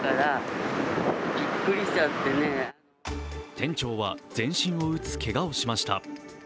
店長は全身を打つけがをしました。